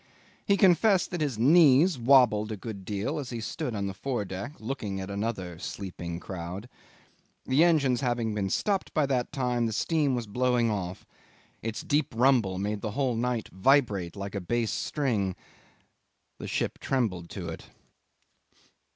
'He confessed that his knees wobbled a good deal as he stood on the foredeck looking at another sleeping crowd. The engines having been stopped by that time, the steam was blowing off. Its deep rumble made the whole night vibrate like a bass string. The ship trembled to it.